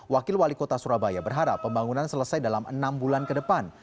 wakil wali kota surabaya berharap pembangunan selesai dalam enam bulan ke depan